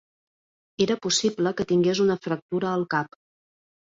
Era possible que tingués una fractura al cap.